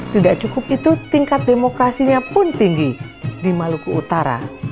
tidak cukup itu tingkat demokrasinya pun tinggi di maluku utara